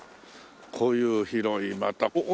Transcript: こういう広いまた。